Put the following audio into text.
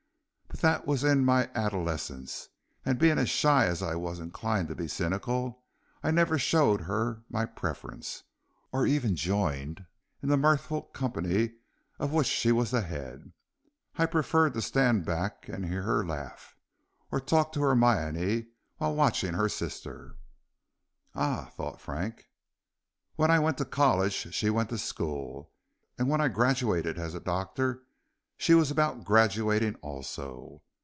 But that was in my adolescence, and being as shy as I was inclined to be cynical, I never showed her my preference, or even joined the mirthful company of which she was the head. I preferred to stand back and hear her laughter, or talk to Hermione while watching her sister." "Ah!" thought Frank. "When I went to college she went to school, and when I graduated as a doctor she was about graduating also.